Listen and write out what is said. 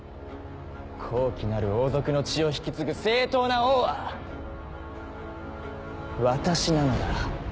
高貴なる王族の血を引き継ぐ正当な王は私なのだ。